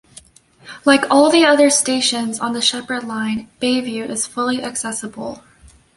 Like all the other stations on the Sheppard line, Bayview is fully accessible.